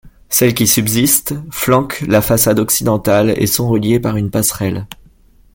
Celles qui subsistent flanquent la façade occidentale et sont reliées par une passerelle.